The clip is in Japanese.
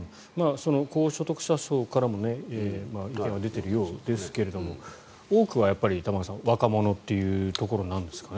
高所得者層からも意見は出ているようですが多くはやっぱり、玉川さん若者というところなんですかね。